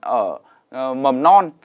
ở mầm non